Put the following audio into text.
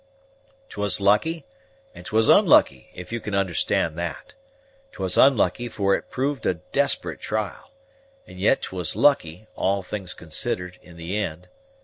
"'Twas lucky, and 'twas unlucky, if you can understand that. 'Twas unlucky, for it proved a desperate trial; and yet 'twas lucky, all things considered, in the ind.